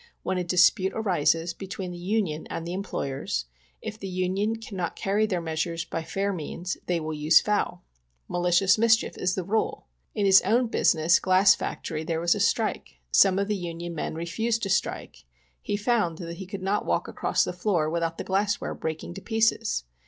When a dispute arises between the union and the employers, if the union cannot carry their measures by fair means they use foul. Malicious mischief is the rule. In his own busi ness glass factory there was a strike. Some of the union men refused to strike. He found that he could not walk across the floor without the glassware breaking to pieces.